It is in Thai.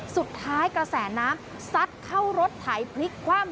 สุดท้ายกระแสน้ำซัดเข้ารถถ่ายพลิกขวาม